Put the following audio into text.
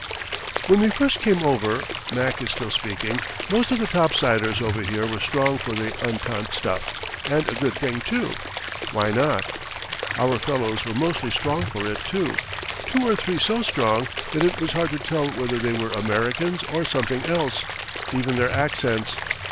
When we first came over (Mac is still speaking), most of the topsiders over here were strong for the entente stuff, and a good thing, too why not? Our fellows were mostly strong for it, too two or three so strong that it was hard to tell whether they were Americans or something else even their accents.